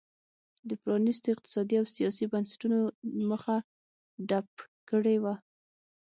د پرانیستو اقتصادي او سیاسي بنسټونو مخه ډپ کړې وه.